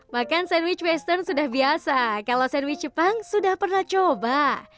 makan sandwich western sudah biasa kalau sandwich jepang sudah pernah coba